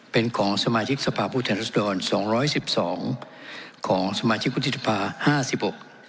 เป็นของสมาชิกทภาพพุทธธรรมรสดร๒๑๒ของสมาชิกวุทธภาพ๕๖